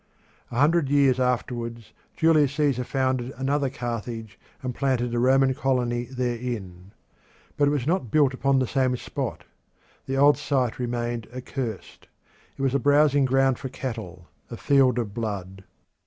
A hundred years afterwards Julius Caesar founded another Carthage and planted a Roman colony therein. But it was not built upon the same spot. The old site remained accursed; it was a browsing ground for cattle, a field of blood.